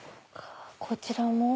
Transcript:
こちらも？